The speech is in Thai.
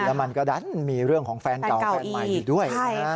และมันก็ดั๊นมีเรื่องของแฟนเก่าแฟนใหม่ด้วย